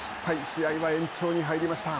試合は延長に入りました。